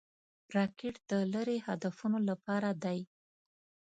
راکټ د لیرې هدفونو لپاره دی